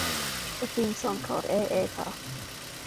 A theme song called Ei Ei Puh!